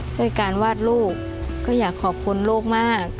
ด้วยการวาดลูกก็อยากขอบคุณลูกมาก